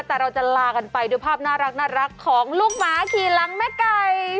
แต่เราจะลากันไปด้วยภาพน่ารักของลูกหมาขี่หลังแม่ไก่